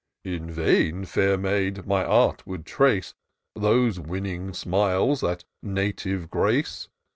" In vain, fair maid, my art would trace Those winning smiles, that native grace.